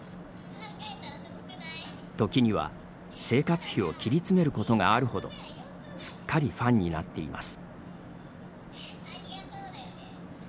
時には、生活費を切り詰めることがあるほどすっかりファンになっています。